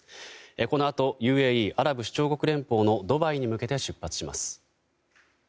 このあとＵＡＥ・アラブ首長国連邦のドバイに向けて出発します。